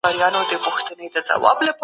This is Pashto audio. موږ د زغم په اړه له پوهانو وپوښتل.